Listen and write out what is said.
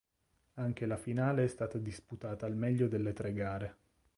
Anche la finale è stata disputata al meglio delle tre gare.